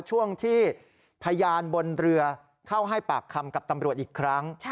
ช่วงที่พยานบนเรือเข้าให้ปากคำกับตำรวจอีกครั้ง